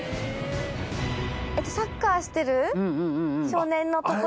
サッカーしてる少年の。